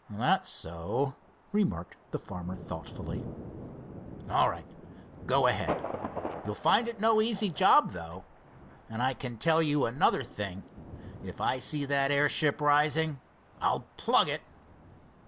"That's so," remarked the farmer, thoughtfully. "All right, go ahead. You'll find it no easy job, though. I can tell you another thing—if I see that airship rising, I'll plug it."